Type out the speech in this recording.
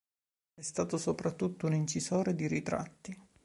È stato soprattutto un incisore di ritratti.